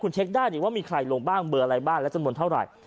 เช็คได้ว่ามีใครลงบ้างเบอร์อะไรบ้างและจำนวนเท่าไหร่